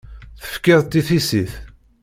Tefkid-tt i tissit.